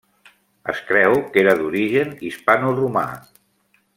Es creu que era d'origen hispanoromà.